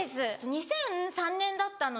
２００３年だったので。